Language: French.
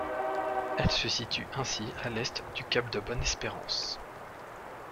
Elle se situe ainsi à l'est du cap de Bonne-Espérance.